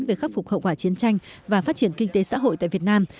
về khắc phục hậu quả chiến tranh và phát triển kinh tế xã hội tại việt nam